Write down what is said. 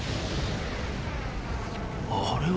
あれは。